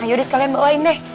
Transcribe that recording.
ayo deh sekalian bawain deh